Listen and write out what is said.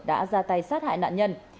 đã ra tay sát hại nạn nhân